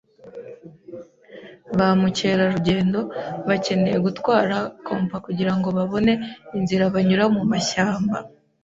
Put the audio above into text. Ba mukerarugendo bakeneye gutwara kompas kugirango babone inzira banyura mumashyamba.